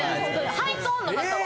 ハイトーンの方は。